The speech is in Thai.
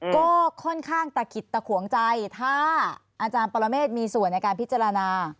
ก็ค่อนข้างตะขิดตะขวงใจถ้าอาจารย์ปรเมฆมีส่วนในการพิจารณา